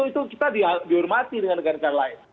itu kita dihormati dengan negara negara lain